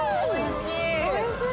おいしい。